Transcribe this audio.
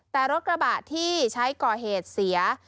แต่รถกระบะที่ใช้ก่อเหตุเสีย